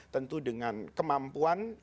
tentu dengan kemampuan yang berbeda beda